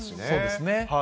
そうですね。